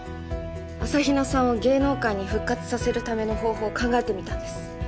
朝比奈さんを芸能界に復活させるための方法を考えてみたんです。